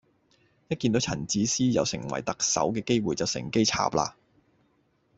一見到陳智思有成為特首嘅機會就乘機插啦